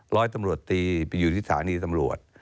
ร้อยตำรวจตีไปอยู่ที่สถานีตำรวจ